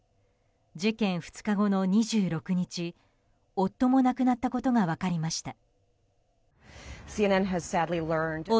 事件２日後の２６日夫も亡くなったことが分かりました。